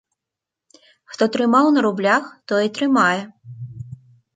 Хто трымаў на рублях, той і трымае.